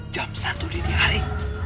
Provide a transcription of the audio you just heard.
jam satu dini hari